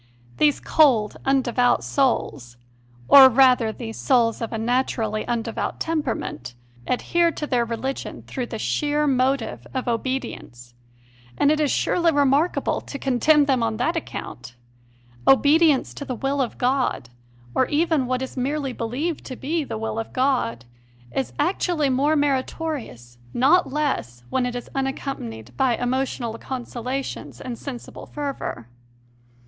These cold, undevout souls or rather these souls of a natu rally undevout temperament adhere to their re ligion through the sheer motive of obedience, and it is surely remarkable to condemn them on that account! Obedience to the will of God or even what is merely believed to be the will of God is actually more meritorious, not less, when it is un accompanied by emotional consolations and sensible fervour.